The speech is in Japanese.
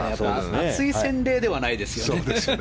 熱い洗礼ではないですよね。